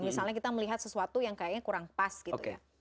misalnya kita melihat sesuatu yang kayaknya kurang pas gitu ya